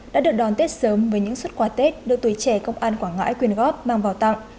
đã được đón tết sớm với những xuất quà tết được tuổi trẻ công an quảng ngãi quyên góp mang vào tặng